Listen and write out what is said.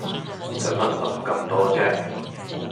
洗乜諗咁多啫